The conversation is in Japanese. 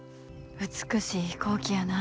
美しい飛行機やな。